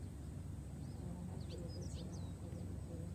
حیوانات له یو بل سره خبرې کوي